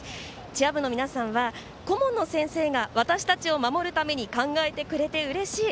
チア部の皆さんは顧問の先生が私たちを守るために考えてくれてうれしい。